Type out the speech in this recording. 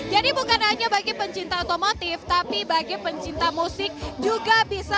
jadi bukan hanya bagi pencinta otomotif tapi bagi pencinta musik juga bisa